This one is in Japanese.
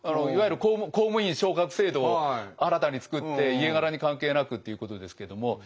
いわゆる公務員昇格制度を新たに作って家柄に関係なくっていうことですけども。